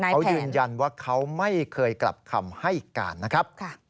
เขายืนยันว่าเขาไม่เคยกลับคำให้การนะครับ